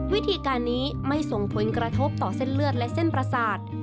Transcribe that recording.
วิธีการนี้ไม่ส่งผลกระทบต่อเส้นเลือดและเส้นประสาท